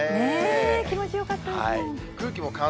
気持ちよかったですもん。